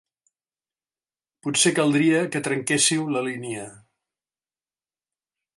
Potser caldria que trenquésseu la línia.